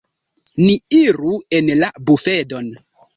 Ni iru en la bufedon.